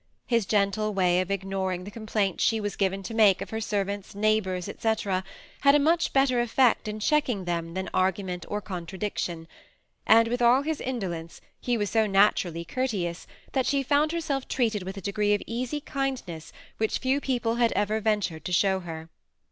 His gentle way of ignor ing the complaints she was given to make, of her ser vants, neighbors, <Scc., had a much better effect in check ing them than argument, or contradiction ; and, with all his indolence, he was so naturally courteous, that she found herself treated with a degree of easy kindness which THE SEMI ATTACHED COUPLE. 357 few people had ever ventured to show her.